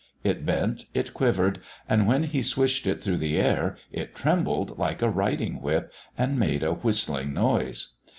It bent, it quivered, and when he swished it through the air it trembled like a riding whip, and made a whistling noise.